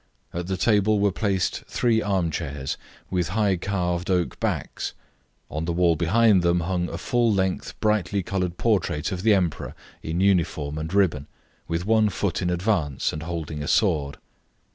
At the table were placed three arm chairs, with high carved oak backs; on the wall behind them hung a full length, brightly coloured portrait of the Emperor in uniform and ribbon, with one foot in advance, and holding a sword.